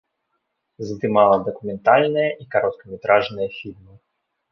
Здымала дакументальныя і кароткаметражныя фільмы.